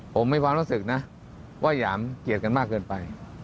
ผมมีความรู้สึกนะว่าหยามเกลียดกันมากเกินไป